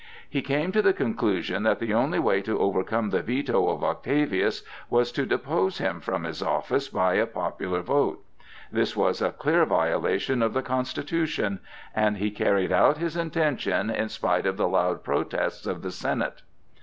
He came to the conclusion that the only way to overcome the veto of Octavius was to depose him from his office by a popular vote. This was a clear violation of the Constitution, and he carried out his intention in spite of the loud protests of the Senate.